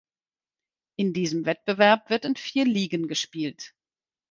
In diesem Wettbewerb wird in vier Ligen gespielt.